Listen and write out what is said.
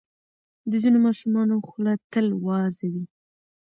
د ځینو ماشومانو خوله تل وازه وي.